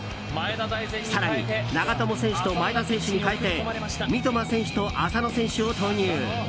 更に長友選手と前田選手に変えて三笘選手と浅野選手を投入。